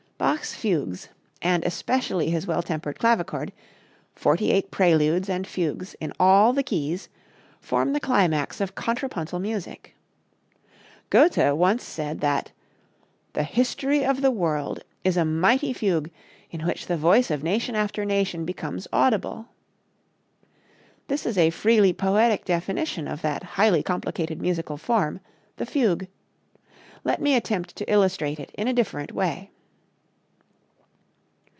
Bach's fugues, and especially his "Well Tempered Clavichord," forty eight preludes and fugues in all the keys, form the climax of contrapuntal music. Goethe once said that "the history of the world is a mighty fugue in which the voice of nation after nation becomes audible." This is a freely poetic definition of that highly complicated musical form, the fugue. Let me attempt to illustrate it in a different way.